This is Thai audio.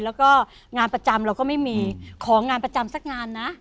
แล้วก็งานประจำเราก็ไม่มีของานประจำสักงานนะ